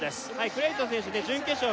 クレイトン選手準決勝